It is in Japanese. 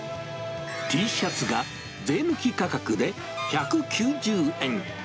Ｔシャツが税抜き価格で１９０円。